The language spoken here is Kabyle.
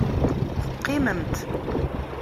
Teqqimemt.